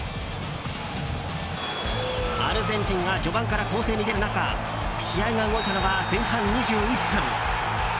アルゼンチンが序盤から攻勢に出る中試合が動いたのは前半２１分。